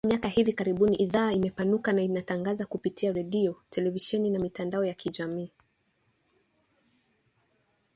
Mnamo miaka ya hivi karibuni idhaa imepanuka na inatangaza kupitia redio, televisheni na mitandao ya kijamii